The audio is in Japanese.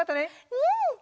うん！